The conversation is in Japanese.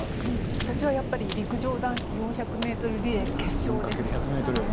私はやっぱり陸上男子４００ｍリレーの決勝ですね。